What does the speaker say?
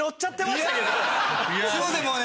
すいませんもうね。